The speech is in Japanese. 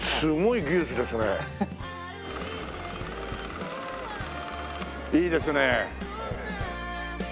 いいですね。